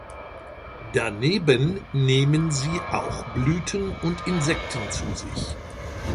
Daneben nehmen sie auch Blüten und Insekten zu sich.